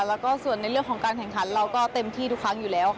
แล้วก็ส่วนในเรื่องของการแข่งขันเราก็เต็มที่ทุกครั้งอยู่แล้วค่ะ